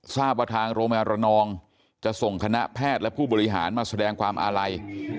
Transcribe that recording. ทราบว่าทางโรงพยาบาลระนองจะส่งคณะแพทย์และผู้บริหารมาแสดงความอาลัย